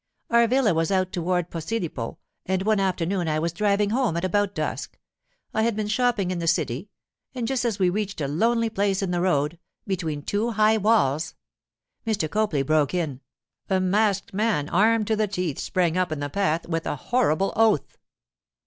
Our villa was out toward Posilipo, and one afternoon I was driving home at about dusk—I had been shopping in the city—and just as we reached a lonely place in the road, between two high walls——' Mr. Copley broke in: 'A masked man armed to the teeth sprang up in the path, with a horrible oath.